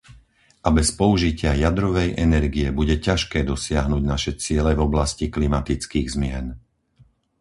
A bez použitia jadrovej energie bude ťažké dosiahnuť naše ciele v oblasti klimatických zmien.